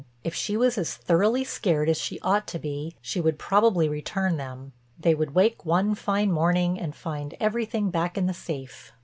If she was as thoroughly scared as she ought to be, she would probably return them—they would wake one fine morning and find everything back in the safe.